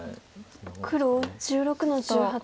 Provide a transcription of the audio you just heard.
黒１６の十八。